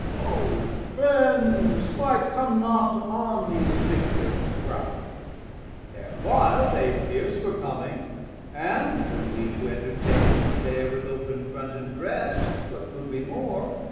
O Friends, why come not on these Victors proud? Ere while they fierce were coming, and when wee, 610 To entertain them fair with open Front And Brest, (what could we more?)